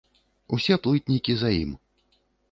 Усе плытнікі за ім.